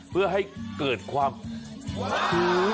เพื่อให้เกิดความหู